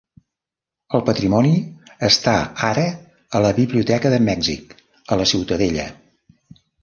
El patrimoni està ara a la Biblioteca de Mèxic, a la Ciutadella.